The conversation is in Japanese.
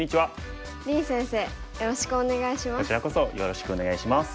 林先生よろしくお願いします。